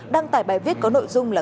đăng tải bài viết có nội dung là